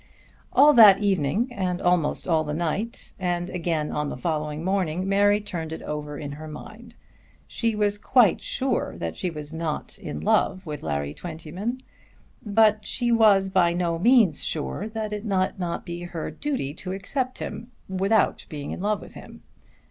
All that evening, and almost all the night, and again on the following morning Mary turned it over in her mind. She was quite sure that she was not in love with Larry Twentyman; but she was by no means sure that it might not be her duty to accept him without being in love with him.